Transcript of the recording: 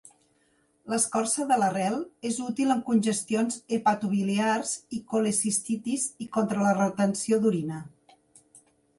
L'escorça de l'arrel és útil en congestions hepatobiliars i colecistitis i contra la retenció d'orina.